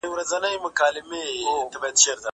که وخت وي، مړۍ پخوم!